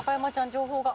情報が。